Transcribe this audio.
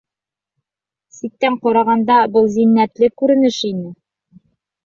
Ситтән ҡарағанда был зиннәтле күренеш ине.